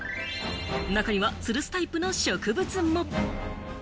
中には、つるすタイプの植物も。